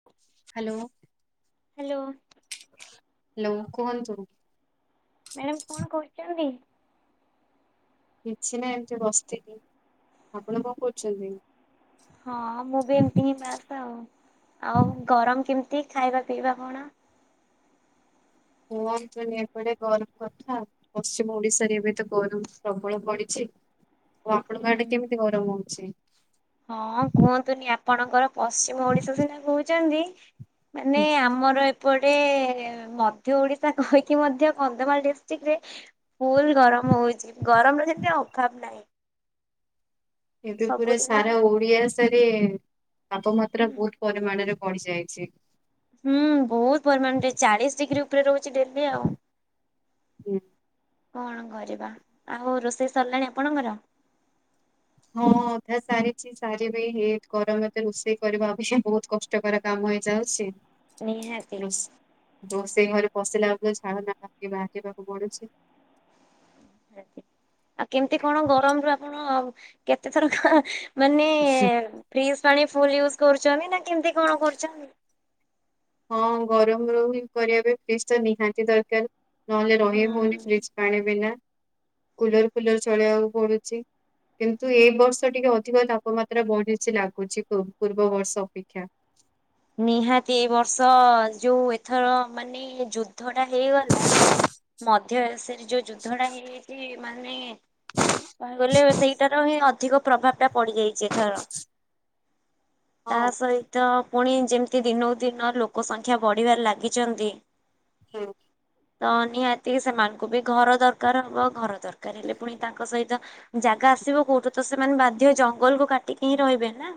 [inaudible] Hello. Hello. Hello କୁହନ୍ତୁ? Madam କଣ କହୁଛନ୍ତି? କିଛି ନାଇଁ ଏମିତି ବସିଥିଲି। ଆପଣ କଣ କରୁଛନ୍ତି? ହଁ ମୁଁ ବି ଏମିତି ହିଁ ବାସ ତ ଆଉ ଆଉ ଗରମ କେମିତି ଖାଇବା ପିଇବା କଣ? କୁହନ୍ତୁନି ଏପଟେ ଗରମ କଥା ଆଉ ପଶ୍ଚିମ ଓଡିଶାରେ ଏବେ ତ ଗରମ ପ୍ରବଳ ବଢିଛି। ଓ ଆପଣଙ୍କ ଆଡେ କେମିତି ଗରମ ହଉଛି? ହଁ କୁହନ୍ତୁନି ଆପଣଙ୍କର ପଶ୍ଚିମ ଓଡିଶା ସେଇଥିପାଇଁ କହୁଛନ୍ତି। ମାନେ ହୁଁ, ଆମର ଏପ ପଟେ ମଧ୍ୟ ଓଡିଶା କହିକି ମଧ୍ୟ କନ୍ଧମାଳ ଡିଷ୍ଟ୍ରିକ୍ ରେ ଫୁଲ ଗରମ ହଉଛି ଗରମର ଯେମିତି ଅଭାବ ନାହିଁ। ଏବେ ପୁରା ସବୁଦିନ ସାରା ଓଡ଼ିଆ ସାରେ ତାପମାତ୍ରା ବୋହୁତ୍ ପରିମାଣରେ ବଢ଼ିଯାଇଚି। ହୁଁ ବୋହୁତ ପରିମାଣରେ ଚାଳିଶ୍ ଡ଼ିଗ୍ରୀ ଉପରେ ରହୁଛି ଡ଼େଲି ଆଉ। ହୁଁ, କଣ କରିବା ଆଉ ରୋଷେଇ ସରିଲାଣି ଆପଣଙ୍କର? ହଁ ଅଧା ସାରିଛି ସାରିବି ହେଇ ଗରମତେ ରୋଷେଇ କରିବା ଅଛି ବହୁତ କଷ୍ ଟ କର କାମ ହେଇଯାଉଛି। ନିହାତି। ରୋଷ୍ ରୋଷେଇ ଘରେ ପଶିଲା ବେଳକୁ ଏଇ ଝାଳନାଳ ହେଇକି ବାହାରି ଯିବାକୁ ପଡ଼ୁଛି। ଆଉ କେମିତି କଣ ଗରମରୁୁ ଆପଣ କେତେ ଥର କଁ ମାନେ ଫ୍ରିଜ୍ ପାଣି ଫୁଲ ୟୁଜ୍ କରୁଛନ୍ତି ନା କେମିତି କଣ କରୁଛନ୍ତି? ହଁ ଗରମ ରହୁ ହିଁ କରିବା ପାଇଁ ଫ୍ରିଜ୍ ତ ନିହାତି ଦରକାର ନହେଲେ ରହି ହଉନି ହୁଁ। ଫ୍ରିଜ୍। ପାଣି ବିନା କୁଲର୍ ଫୁଲର୍ ଚଳେଇବାକୁ ପଡ଼ୁଛି। କିନ୍ତୁ ଏଇ ବର୍ଷ ଟିକେ ଅଧିକ ତାପମାତ୍ରା ବଢ଼ିଚି ଲାଗୁଛି ପୂର୍ ପୂର୍ବ ବର୍ଷ ଅପେକ୍ଷା। ନିହାତି ଏଇ ବର୍ଷ ଯୋଉ ଏଥର ମାନେ ଯୁ ଦ୍ଧ ଟା ହେଇଗଲା ମଧ୍ୟ ଏସରେ ଯୋଉ ଯୁଦ୍ଧ ଟା ହେଇଯାଇଚି ମାନେ କଣ କହିଲେ ସେଇଟାର ହିଁ ଅଧିକ ପ୍ରଭାବଟା ପଡ଼ିଯାଇଚି ଏଥର ହଁ ତା ସହିତ ପୁଣି ଯେମିତି ଦିନକୁ ଦିନ ଲୋକ ସଂଖ୍ୟା ବଢ଼ିବାରେ ଲାଗିଚନ୍ତି ହଁ ତ ନିହାତି ସେମାନଙ୍କୁ ବି ଘର ଦରକାର ହବ ଘର ଦରକାର ହେଲେ ପୁଣି ତାଙ୍କ ସହିତ ଜାଗା ଆସିବ କୋଉଠୁ ତ ସେମାନେ ବାଧ୍ୟ ହେଇ ଜଙ୍ଗଲକୁ କା ଟିକି ହିଁ ରହିବେ ନା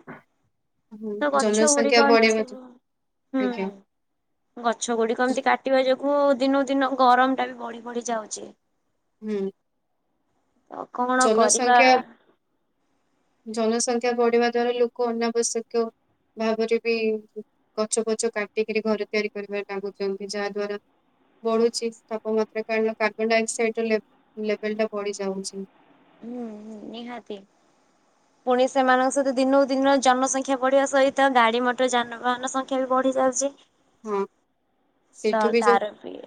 ହୁଁ ତ ଗଛ ଜନସଂଖ୍ୟା ଗୁଡ଼ିକ ଏମତି ବଢିବା ଦ୍ଵା- ସବୁ ହୁଁ ଆଜ୍ଞା [inaudible] ଗଛ ଗୁଡ଼ିକ ଏମିତି କାଟିବା ଯୋଗୁ ଦିନକୁ ଦିନ ଗରମ ଟା ବି ବଢ଼ି ବଢ଼ି ଯାଉଚି। ହୁଁ। ତ କଣ କରିବା? ଜନସଂଖ୍ୟା ଜନସଂଖ୍ୟା ବଢ଼ିବା ଦ୍ଵାରା ଲୋକ ଅନାବଶ୍ୟକୀୟ ଭାବରେ ବି ଗଛ ପଛ କାଟିକିରି ଘରେ ତିଆରି କରିବାରେ ଲାଗୁଛନ୍ତି, ଯାହା ଦ୍ୱାରା ବଢ଼ୁଛି ତାପମାତ୍ରା କାରଣ କାର୍ବନ ଡାଇଅକ୍ସାଇଡ଼ ର ଲେ ଲେବେଲ୍ ଟା ବଢ଼ି ଯାଉଚି। ହୁଁ ହୁଁ ନିହାତି। ପୁଣି ସେମାନଙ୍କ ସହିତ ଦିନକୁ ଦିନ ଜନସଂଖ୍ୟା ବଢ଼ିବା ସହିତ ଗାଡ଼ି ମଟର ଯାନ ବାହାନ ସଂଖ୍ୟା ବି ବଢ଼ି ଯାଉଛି। ହଁ ତ ସେଇଠୁ ତାର ବିି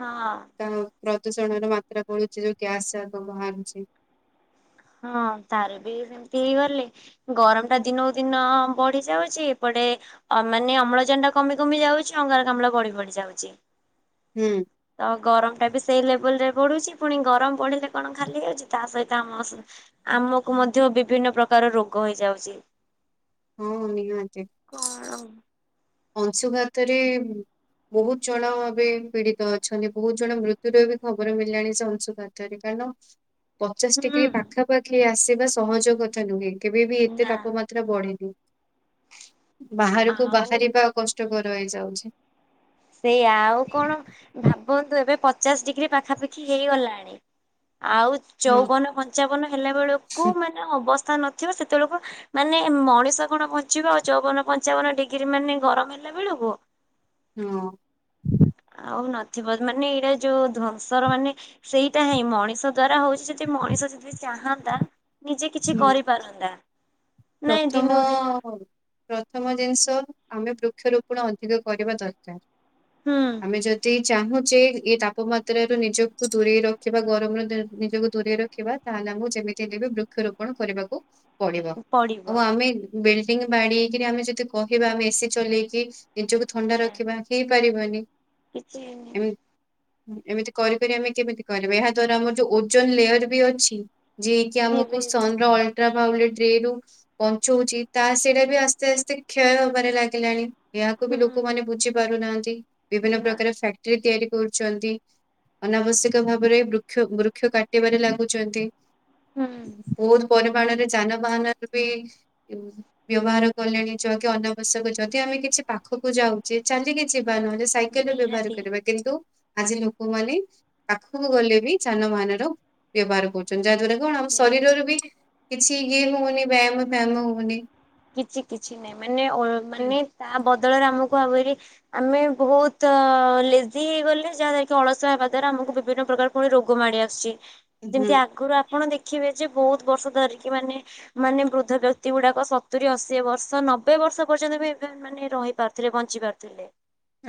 ହଁ। ତ ପ୍ରଦୂଷଣର ମାତ୍ରା ବଳୁଚି ଯୋଉ ଗ୍ୟାସ୍ [unintelligible] ଆଣୁଚି। ହଁ ତାର ବି ସେମିତି ହେଇଗଲେ। ଗରମ ଟା ଦିନକୁ ଦିନ ବଢ଼ିଯାଉଚି ଏପଟେ ଅ ମାନେ ଅମ୍ଳଜାନ ଟା କମି କମି ଯାଉଚି, ଅଙ୍ଗାରକାମ୍ଳ ବଢ଼ି ବଢ଼ି ଯାଉଚି। ହୁଁ। ତ ଗରମ ଟା ବି ସେଇ ଲେବୁଲ୍ ରେ ବଢ଼ୁଛି, ପୁଣି ଗରମ ବଢ଼ିଲେ କଣ ଖାଲି ହେଉଚି, ତା ସହିତ ଆମ ସ ଆମକୁ ମଧ୍ୟ ବିଭିନ୍ନ ପ୍ରକାର ରୋଗ ହେଇଯାଉଚି। ହୁଁ ନିହାତି। କଣ? ଅଂଶୁଘାତରେ ହୁ ବୋହୁତ୍ ଜଣ ଏବେ ପୀଡ଼ିତ ଅଛନ୍ତି ବୋହୁ ଜଣ ମୃତ୍ୟୁର ବି ଖବର ମିଳିଲାଣି ସେ ଅଂଶୁଘା ତ ରେ କାରଣ ପଚାଶ୍ ହୁଁ ଡ଼ିଗ୍ରୀ ପାଖାପାଖି ଆସିବା ସହଜ କଥା ନୁହେଁ କେବେବି ଏତେ ନା ତାପମା ଏଥିରେ ବଢ଼ିବି ବାହରକୁ ଆଉ ବାହାରିବା କଷ୍ଟକର ହେଇଯାଉଚି। ସେୟା ଆଉ କଣ ଭାବନ୍ତୁ ଏବେ ପଚାଶ ଡିଗ୍ରୀ ପାଖାପାଖି ହେଇଗଲାଣି। ଆଉ ହଁ ଚଉବନ ପଞ୍ଚାବନ ହେଲା ବେଳକୁ ହୁଁ, ମାନେ ଅବସ୍ଥା ନଥିବ ସେତବେଳକୁ। ମାନେ ମଣିଷ କଣ ବଞ୍ଚିବ ଆଉ ଚଉବନ ପଞ୍ଚାବନ ଡିଗ୍ରୀ ମାନେ ଗରମ ହେଲା ବେଳକୁ। ହଁ ଆଉ ନଥିବ ମାନେ ଏଇରା ଯୋଉ ଧ୍ୱଂସର ମାନେ ସେଇଟା ହାଇଁ ମଣିଷ ଦ୍ଵାରା ହଉଛି ଯଦି ମଣିଷ ଯଦି ଚାହାନ୍ତା। ନିଜେ କିଛି ହୁଁ କରିପାରନ୍ତା। ନାଇଁ ପ୍ରଥମ ଦିନକୁ ଦିନ ପ୍ରଥମ ଜିନିଷ ଆମେ ବୃକ୍ଷରୋପଣ ଅଧିକ କରିବା ଦରକାର୍। ହୁଁ ଆମେ ଯଦି ଚାହୁଁଛେ ଏ ତାପମାତ୍ର ରୁ ନିଜକୁ ଦୂରେଇ ରଖିବା ଗରମ ର ନିଜକୁ ଦୂରେଇ ରଖିବା। ତାହେଲେ ଆମକୁ ଯେମିତି ହେଲେବି ବୃକ୍ଷରୋପଣ କରିବାକୁ ପଡ଼ିବ। ଆଉ ପଡିବ ଆମେ ବିଲ୍ଡିଂ ବାଡ଼େଇକିରି ଆମେ ଯଦି କହିବା ଆମେ ଏସି ଚଲେଇକି ନିଜକୁ ଥଣ୍ଡା ସେଇଆ ରଖିବା ହେଇପାରିବାନି କିଛି ହେଇନି ହୁଁ ଏମିତି କରି କରି ଆମେ କେମିତି କରିବା? ଏହା ଦ୍ୱାରା ଆମର ଯୋଉ ଓଜନ୍ ଲେୟର୍ ବି ଅଛି। ଯିଏକି ସିଏ ବି ଆମକୁ ସନ ର ଅଲଟ୍ରାଭାଉଲେଟ ରେ ରୁ ବଞ୍ଚଉଛି ତା ସେଇଟା ବି ଆସ୍ତେ ଆସ୍ତେ କ୍ଷୟ ହବାରେ ଲାଗିଲାଣି। ଏହାକୁ ହୁଁ ବି ଲୋକମାନେ ବୁଝି ପାରୁନାହାନ୍ତି। ବିଭିନ୍ୟ ନା ପ୍ରକାର ଫାକ୍ଟ୍ରି ତିଆରି କରୁଛନ୍ତି। ଅନାବଶ୍ୟକ ଭାବରେ ବୃକ୍ଷ ବୃକ୍ଷ କାଟିବାରେ ଲାଗୁଛନ୍ତି। ହୁଁ ବହୁତ୍ ପରିମାଣରେ ଯାନବାହାନ ରେ ବି ବ୍ୟବହାର କଲେଣି ଯ କି ଅନାବଶ୍ୟକ ଯଦି ଆମେ କିଛି ପାଖକୁ ଯାଉଛେ ଚାଲିକି ଯିବା। ନହେଲେ ସାଇକେଲ ବ୍ୟବହାର ନିହାତି କରିବା। କିନ୍ତୁ ଆଜି ଲୋକମାନେ ପାଖକୁ ଗଲେବି ଯାନବାହାନର। ବ୍ୟବହାର କରୁଛନ୍ତି ଯାହା ଦ୍ଵାରା କଣ ଆମ ସେଇଆ ଶରୀରରୁ ବି କିଛି ୟେ ହଉନି ବାୟାମ ଫାୟାମ ହୋଉନି। କିଛି କିଛି ନାହିଁ ମାନେ ଅ ମାନେ ତା ବଦଳରେ ଆମକୁ ଅବେରି ଆମେ ବହୁତ ଲେଜି ହେଇଗଲେ। ଯାହାଦ୍ୱାରାକି ଅଳସୁଆ ହେବା ଦ୍ୱାରା ଆମକୁ ବିଭିନ୍ନ ପ୍ରକାର ପୁଣି ରୋଗ ମାଡ଼ି ଆସୁଛି। ହୁଁ ଯେମିତି ଆଗରୁ ଆପଣ ଦେଖିବେ ଯେ ବହୁତ ବର୍ଷ ଧରିକି ମାନେ ମାନେ ବୃଦ୍ଧ ବ୍ୟକ୍ତି ଗୁଡ଼ାକ ସ ସତୁରୀ, ଅଶିଏ ବର୍ଷ, ନବେ ବର୍ଷ ପର୍ଯ୍ୟନ୍ତ ବି ଏବେ ମାନେ ରହିପାରୁଥିଲେ ବଞ୍ଚିପାରୁଥିଲେ।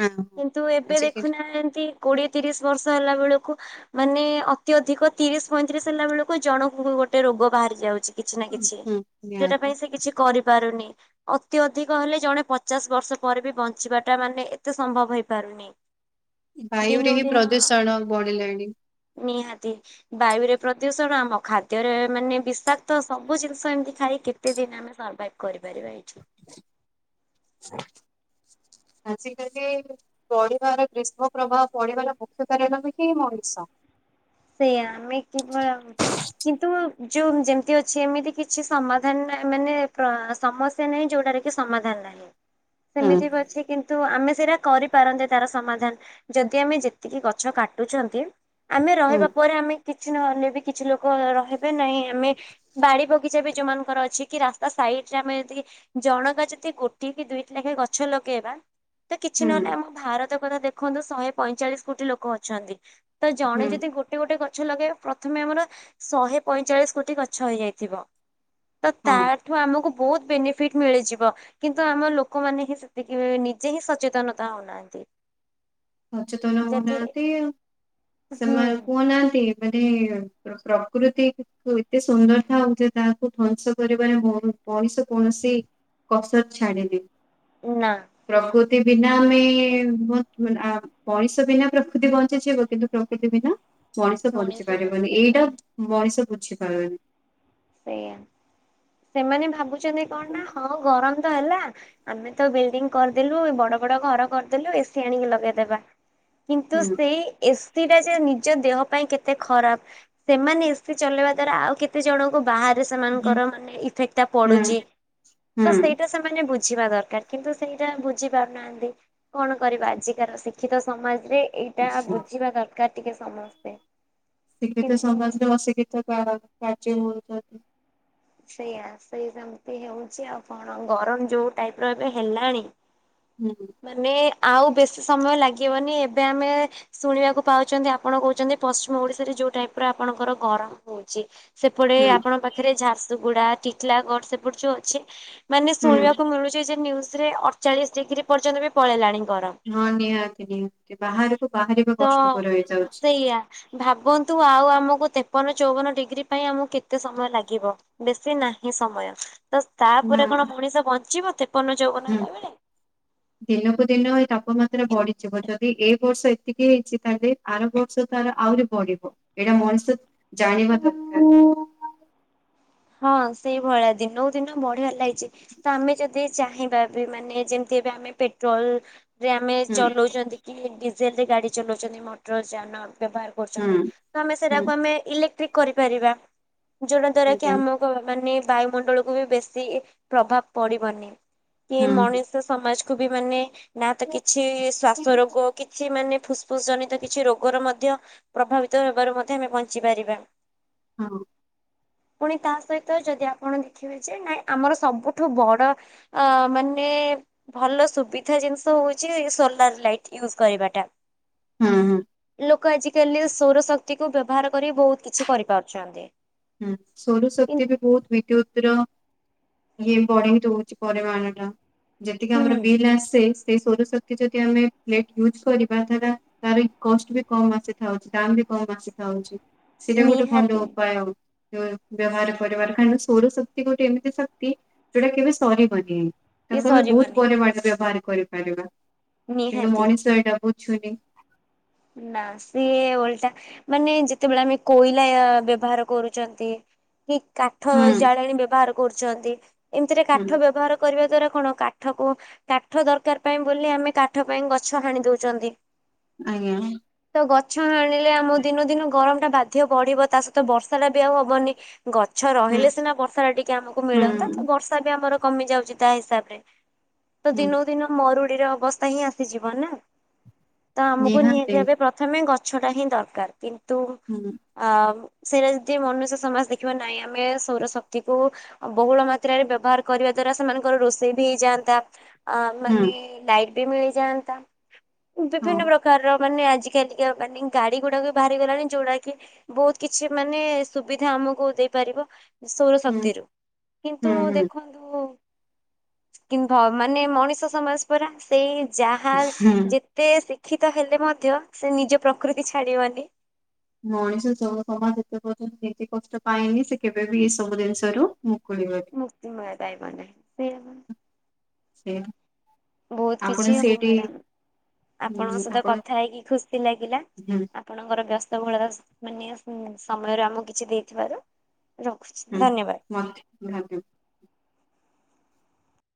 ଆ କିନ୍ତୁ ଏବେ ଆଜିକା ଦେଖୁନାହାନ୍ତି କୋଡ଼ିଏ, ତିରିଶ୍ ବର୍ଷ ହେଲାବେଳକୁ ମାନେ ଅତ୍ୟଧିକ ତିରିଶ୍, ପଇଁତିରିଶ୍ ହେଲା ବେଳକୁ ଜଣଙ୍କୁ ବି ଗୋଟେ ରୋଗ ବାହାରି ଯାଉଚି। କିଛି ନା କିଛି ହୁଁ ଯଉଟା ନିହାତି ପାଇଁ ସେ କିଛି କରିପାରୁନି। ଅତି ଅଧିକ ହେଲେ ଜଣେ ପଚାଶ ବର୍ଷ ପରେ ବି ବଞ୍ଚିବାଟା ମାନେ ଏତେ ସମ୍ଭବ ହେଇପାରୁନି। ବାୟୁରେ ଦିନକୁ ହିଁ ଦିନ ପ୍ରଦୂଷଣ ବଢିଲାଣି। ନିହାତି। ବାୟୁ ରେ ପ୍ରଦୂଷଣ ଆମ ଖାଦ୍ୟରେ ମାନେ ବିଷାକ୍ତ ସବୁ ଜିନିଷ ଏମିତି ଖାଇ କେତେ ଦିନ ସର୍ଭାଇଭ କରିପାରିବା ଏଇଠି। ଆଜିକାଲି ପଢିବାର ଗ୍ରୀଷ୍ମ ପ୍ରବାହ ପଢିଗଲା ମୁଖ୍ୟ କାରଣ ବି ହିଁ ମଣିଷ। ସେହା ଆମେ କିବଳ କିନ୍ତୁ ଯୋଉ ଯେମିତି ଅଛି ଏମିତି କିଛି ସମାଧାନ ମାନେ ପ୍ର ସମ ସେ ନାହିଁ ଯୋଉଟାରେ କି ସମାଧାନ ନାହିଁ ହୁଁ ସେମିତିବି ଅଛି କିନ୍ତୁ, ଆମେ ସେଇଟା କରିପାରନ୍ତେ ତାର ସମଧାନ ଯଦି ଆମେ ଯେତିକି ଗଛ କାଟୁଛନ୍ତି ଆମେ ହୁଁ ରହିବା ପରେ ଆମେ କିଛି ନହେଲେ ବି କିଛି ଲୋକ ରହିବେ ନାହିଁ ଆମେ ବାଡି ବଗିଚା ବି ଯୋଉମାନଙ୍କର ଅଛି କି ରାସ୍ତା ସାଇଡ ରେ ଆମେ ଯେତିକି ଜଣକା ଯଦି ଗୋଟଏ କି ଦୁଇଟି ଲେଖାଏ ଗଛ ଲଗେଇବା ତ କିଛି ହୁଁ ନହେଲେ ଆମ ଭାରତ କଥା ଦେଖନ୍ତୁ ଶହେ ପଇଁଚାଳିଶ କୋଟି ଲୋକ ଅଛନ୍ତି। ତ ଜଣେ ହୁଁ ଯଦି ଗୋଟ ଗୋଟେ ଗୋଟେ ଗଛ ଲଗେଇବ ପ୍ରଥମେ ଆମର ଶହେ ପଇଁଚାଳିଶ କୋଟି ଗଛ ହେଇଯାଇଥିବ। ତ ହଁ ତାଠୁ ଆମକୁ ବହୁତ ବେନିଫିଟ ମିଳିଯିବ। କିନ୍ତୁ ଆମ ଲୋକମାନେ ହିଁ ସେତିକି ନିଜେ ହିଁ ସଚେତନତା ହଉନାହାନ୍ତି। ସଚେତନ ହଉ ଯଦି ନାହାନ୍ତି ଆଉ ହୁଁ ସେମାନେ [unintelligible] ଏମିତି ପ୍ରକୃତି ଏତେ ସୁନ୍ଦର ଥାଉ ଯେ ତାହାକୁ ଧ୍ଵଂସ କରିବାରେ ମଣିଷ କୌଣସି କସର ଛାଡିନି। ନା। ପ୍ରକୃତି ବିନା ଆମେ [unintelligible] ମଣିଷ ବିନା ପ୍ରକୃତି ବଞ୍ଚିଯିବ। କିନ୍ତୁ, ପ୍ରକୃତି ବିନା ମଣିଷ ବଞ୍ଚି ପାରିବନି। ଏଇଟା ମଣିଷ ବୁଝିପାରେନି। ସେଇଆ ସେମାନେ ଭାବୁଛନ୍ତି କଣ ନା ହୁଁ ହଁ ଗରମ ତ ହେଲା ଆମେ ତ ବିଲଡିଙ୍ଗ କରିଦେଲୁ ବଡ ବଡ ଘର କରିଦେଲୁ। ଏ ସିି ଆଣିକି ଲଗେଇଦବା। କିନ୍ତୁ ସେଇ ଏ ସ ସେଇଟା ଯେ ନିଜ ଦେହ ପାଇଁ କେତେ ଖରାପ ସେମାନେ ଏ ସିି ଚଲେଇବା ଦ୍ଵାରା ଆଉ କେତେ ଜଣ ତ ବାହାରେ ହୁଁ ସେମାନଙ୍କର ମାନେ ଇଫେକ୍ଟ ଟା ହୁଁ ପଡୁଛି ତ ସେଇଟା ସେମାନେ ବୁଝି ବୁଝିବା ଦରକାର କିନ୍ତୁ ସେଇଟା ବୁଝି ପାରୁନାହାନ୍ତି। କଣ କରିବା ଆଜିକାର ଶିକ୍ଷିତ ସମାଜରେ ଏଇଟା ହୁଁ ବୁଝିବା ଦରକାର ଟିକେ ସମସ୍ତେ। ଶିକ୍ଷିତ କିନ୍ତୁ ସମାଜରେ ଅଶିକ୍ଷିତ କ କାର୍ଯ୍ୟ ହୋଇଥାଏ ତ ସେଇଆ ସେଇ ସେମତି ହଉଛି ଆଉ। କଣ ଗରମ ଯୋଉ ଟାଇପ ର ଏବେ ହେଲାଣି। ହୁଁ। ମାନେ ଆଉ ବେଶୀ ସମୟ ଲାଗିବନି ଏବେ ଆମେ ଶୁଣିବାକୁ ପାଉଛନ୍ତି ଆପଣ କହୁଛନ୍ତି ପଶ୍ଚିମ ଓଡିଶାରେ ଯୋଉ ଟାଇପ ର ଆପଣଙ୍କର ଗରମ ହଉଛି ସେପଟେ ହୁଁ ଆପଣଙ୍କ ପାଖରେ ଝାରସୁଗୁଡା, ଟିଟିଲାଗଡ଼ ସେପଟ ଯୋଉ ଅଛି ମାନେ ହୁଁ ଶୁଣିବାକୁ ମିଳୁଛି ଯେ ଯେ ନ୍ୟୁଜରେ ଅଠଚାଳିଶ ଡିଗ୍ରୀ ପର୍ଯ୍ୟନ୍ତ ବି ପଳେଇଲାଣି ଗରମ। ହଁ ନିହାତି ନିହାତି ବାହାରକୁ ବାହାରିବା ତ କଷ୍ଟକର ହେଇଯାଉଛି। ସେଇଆ। ଭାବନ୍ତୁ ଆଉ ଆମକୁ ତେପନ, ଚଉବନ ଡିଗ୍ରୀ ପାଇଁ ଆମକୁ କେତେ ସମୟ ଲାଗିବ। ବେଶୀ ନାହିଁ ସମୟ ତ ନା ତାପରେ କଣ ମଣିଷ ବଞ୍ଚିବ ତେପନ, ଚଉବନ ହୁଁ। ହେଲା ବେଳେ। [inaudible] ଦିନକୁ ଦିନ ଏ ତାପମାତ୍ରା ବଢିଯିବ। ଯଦି ଏ ବର୍ଷ ଏତିକି ହେଇଛି ତାହେଲେ ଆର ବର୍ଷ ତାର ଆହୁରି ବଢିବ ଏଇଟା ମଣିଷ ଜାଣିବା ଦରକାର। ହଁ ସେଇଭଳିଆ ଦିନକୁ ଦିନ ବଢ଼ିବାରେ ଲାଗିଛି। ତ ଆମେ ଯଦି ଚାହିଁବା ବି ମାନେ ଯେମିତି ଏବେ ଆମେ ପେଟ୍ରୋଲ ରେ ଆମେ ହୁଁ ଚଲଉଛନ୍ତି କି ଡିଜେଲ ରେ ଗାଡି ଚଲାଉଛନ୍ତି ମଟର ଯାନ ବ୍ୟବହାର କରୁଛନ୍ତି ତ ଆମେ ହୁଁ ସେଟାକୁ ଆମେ ଇଲେକ୍ଟ୍ରିକ କରିପାରିବା ଯୋଉଟା ଦ୍ଵାରା କି ଆଜ୍ଞା ଆମକୁ କୁ ମାନେ ବାୟୁମଣ୍ଡଳକୁୁ ବି ବେଶୀ ପ୍ରଭାବ ପଡିବନି କି ହୁଁ। ମଣିଷ ତ ସମାଜକୁୁ ବି ମାନେ ନା ତ କିଛି ହଁ ଶ୍ଵାସ ରୋଗ କି? କି ମାନେ ଫୁସଫୁସ ଜନିତ କିଛି ରୋଗର ମଧ୍ୟ ପ୍ରଭାବିତ ହେବାରୁ ମଧ୍ୟ ଆମେ ବଞ୍ଚିପାରିବା। ହୁଁ। ପୁଣି ତା ସହିତ ଯଦି ଆପଣ ଦେଖିବେ ଯେ ନାଇଁ ଆମର ସବୁଠୁ ବଡ ଅ ମାନେ ଭଲ ସୁବିଧା ଜିନିଷ ହଉଛି ଏ ସୋଲାର ଲାଇଟ୍ ୟୁଜ୍ କରିବା ଟା ହୁଁ ହୁଁ। ଲୋକ ଆଜିକାଲି ସୌରଶକ୍ତି କୁ ବ୍ୟବହାର କରି ବହୁତ କିଛି କରିପାରୁଛନ୍ତି। ହୁଁ କି ସୌରଶକ୍ତି ବି ବହୁତ ବିଦ୍ୟୁତ ର ଇଏ ବଢେଇ ଦଉଛି ପରିମାଣଟା ଯେତିକି ଆମର ହୁଁ ବିଲ୍ ଆସେ ସେଇ ସୌରଶକ୍ତି ଯଦି ଆମେ ପ୍ଲେଟ ୟୁଜ୍ କରିବା ତାର ତାର ବି କଷ୍ଟ ବି କମ ଆସିଥାଉଛି ଦାମ ବି କମ ଆସିଥାଉଛି ସେଇଟା ଗୋଟେ ଭଲ ନିହାତି ଉପାୟ ଆଉ। ବ୍ୟ ବ୍ୟବହାର କରିବାର କାହିଁକିନା ସୌରଶକ୍ତି ଗୋଟେ ଏମିତି ଶକ୍ତି ଯୋଉଟା କେବେ ସରିବନି। ଇଏ ତାକୁ ଆମେ ବହୁତ ସରିବନି ପରମାଣ ବ୍ୟବହାର କରିପାରିବା କିନ୍ତୁ ନିହାତି। ମଣିଷ ଏଇଟା ବୁଝୁନି। ନା ସିଏ ଓଲଟା ମାନେ ଯେତେବେଳେ ଆମେ କୋଇଲା ଆ ବ୍ୟବହାର କରୁଛନ୍ତି କି କାଠ ହୁଁ ଜାଳେଣୀ ବ୍ୟବହାର କରୁଛନ୍ତି ଏମିତିରେ ହୁଁ କାଠ ବ୍ୟବହାର କରିବା ଦ୍ଵାରା କଣ କାଠକୁ କାଠ ଦରକାର ପାଇଁ ବୋଲି ଆମେ କାଠ ପାଇଁ ଗଛ ହାଣି ଦଉଛନ୍ତି। ଆଜ୍ଞା। ତ ଗଛ ହାଣିଲେ ଆମ ଦିନ ଦିନ ଗରମ ଟା ବାଧ୍ୟ ବଢିବ ତା ସହିତ ବର୍ଷା ଟା ବି ଆଉ ହବନି। ଗଛ ହୁଁ ରହିଲେ ସିନା ବର୍ଷା ଟା ଟିକେ ଆମକୁ ମିଳନ୍ତା ତ ହୁଁ ବର୍ଷା ବି ଆମର କମିଯାଉଛି। ତା ହିସାବରେ ତ ହୁଁ ଦିନକୁ ଦିନ ମରୁଡିର ଅବସ୍ଥା ହିଁ ଆସିଯିବ ନା? ତ ଆମକୁ ନିହାତି ଭାବେ ପ୍ରଥମେ ଗଛ ଟା ହିଁ ଦରକାର କିନ୍ତୁ ହୁଁ। ଅ ସେଇଟା ଯଦି ମନୁଷ୍ୟ ସମାଜ ଦେଖିବ ନାହିଁ ଆମେ ସୌରଶକ୍ତିକୁ ବହୁଳ ମାତ୍ରାରେ ବ୍ୟବହାର କରିବା ଦ୍ଵାରା ସେମାନଙ୍କର ରୋଷେଇ ବି ହେଇଯାଆନ୍ତା। ଅ ହୁଁ ମାନେ ଲାଇଟ ବି ମିଳିଯାଆନ୍ତା ହଁ ବିଭିନ୍ନ ପ୍ରକାରର ମାନେ ଆଜିକାଲିିକା ମାନେ ଗାଡି ଗୁଡାକ ବି ବାହାରି ଗଲାଣି ଯୋଉଡ଼ା କି ବହୁତ କିଛି ମାନେ ସୁବିଧା ଆମକୁ ଦେଇପାରିବ। ହୁଁ ସୌରଶକ୍ତିରୁ କିନ୍ତୁ ହୁଁ ହୁଁ ଦେଖନ୍ତୁ ନ୍ତୁ ମାନେ ମଣିଷ ସମଜ ପରା ସେଇ ଯାହା ହୁଁ ଯେତେ ଶିକ୍ଷିତ ହେଲେ ମ ଧ୍ୟ ସେ ନିଜ ପ୍ରକୃତି ଛାଡିବନି। ମଣିଷ ଯୋଉ ସମାଜ ଯେତେ ପର୍ଯ୍ୟନ୍ତ ଏମତି କଷ୍ଟ ପାଇଏନି ସେ କେବେ ବିି ଏ ସବୁ ଜିନିଷରୁ ମୁକୁଳିିବନି। ମୁକ୍ତି [unintelligible] ନାହିଁ ସେଇଆ ବା। ସେଆ। ବହୁତ କିଛି ହଉ ମ୍ୟାଡାମ ଆପଣଙ୍କ ହୁଁ, ସହିତ ଆପଣ କଥା ହେଇକି ଖୁସି ଲାଗିଲା। ହୁଁ ଆପଣଙ୍କର ବ୍ୟସ୍ତବହୁଳର ମାନେ ସମୟରୁ ଆମକୁ କିଛି ଦେଇଥିବାରୁ। ରଖୁଛି ହୁଁ ଧନ୍ୟବାଦ। ମତେ [inaudible]